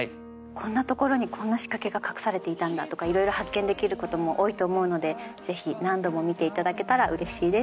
こんなところにこんな仕掛けが隠されていたんだとかいろいろ発見できることも多いと思うのでぜひ何度も見ていただけたらうれしいです。